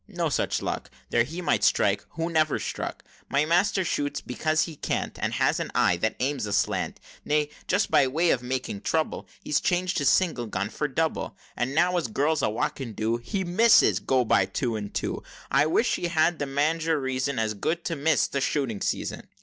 no such luck! There he might strike, who never struck! My master shoots because he can't, And has an eye that aims aslant; Nay, just by way of making trouble, He's changed his single gun for double; And now, as girls a walking do, His misses go by two and two! I wish he had the mange, or reason As good, to miss the shooting season!"